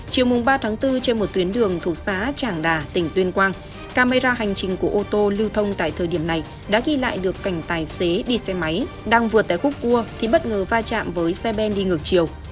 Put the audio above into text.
chiều ba bốn trên một tuyến đường thuộc xã tràng đà tỉnh tuyên quang camera hành trình của ô tô lưu thông tại thời điểm này đã ghi lại được cảnh tài xế đi xe máy đang vượt tại khúc cua thì bất ngờ va chạm với xe ben đi ngược chiều